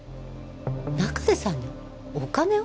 中瀬さんにお金を？